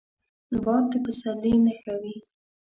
باد د پسرلي نښه وي